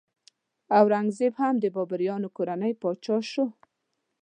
اورنګ زیب هم د بابریانو کورنۍ پاچا شو.